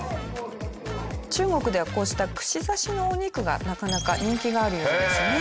中国ではこうした串刺しのお肉がなかなか人気があるようなんですね。